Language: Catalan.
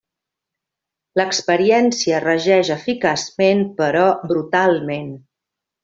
L'experiència regeix eficaçment però brutalment.